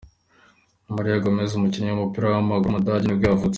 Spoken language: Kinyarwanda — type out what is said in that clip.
Mario Gómez, umukinnyi w’umupira w’amaguru w’umudage nibwo yavutse.